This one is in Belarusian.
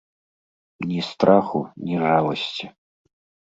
Ні страху, ні жаласці.